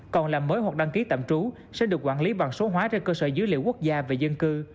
còn làm mới hoặc đăng ký tạm trú sẽ được quản lý bằng số hóa trên cơ sở dữ liệu quốc gia về dân cư